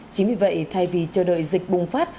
chính vì vậy thay vì chờ đợi dịch bùng phát